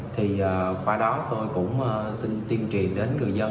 thì qua đó tôi cũng xin tuyên truyền đến người dân